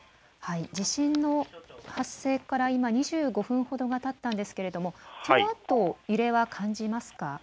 地震の発生から２５分ほどたったんですがそのあと揺れは感じますか。